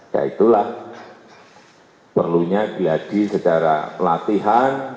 ya itulah perlunya geladi secara pelatihan